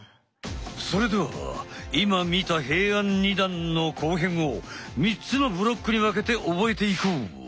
それでは今見た平安二段の後編を３つのブロックに分けて覚えていこう！